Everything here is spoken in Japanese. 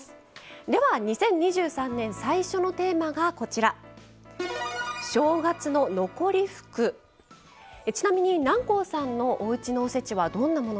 では２０２３年最初のテーマがこちらちなみに南光さんのおうちのおせちはどんなものでしょう？